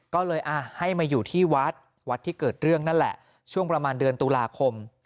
ก็เลยให้มาอยู่ที่วัดวัดที่เกิดเรื่องนั่นแหละช่วงประมาณเดือนตุลาคม